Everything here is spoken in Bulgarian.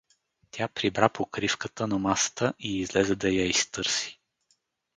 Тя прибра покривката на масата и излезе да я изтърси.